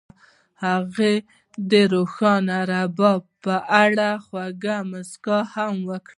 هغې د روښانه دریاب په اړه خوږه موسکا هم وکړه.